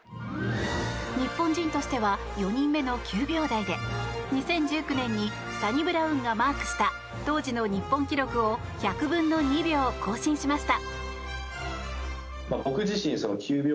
日本人としては４人目の９秒台で２０１９年にサニブラウンがマークした当時の日本記録を１００分の２秒更新しました。